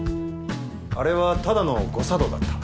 あれはただの誤作動だった。